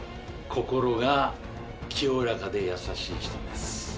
心が清らかで優しい人です。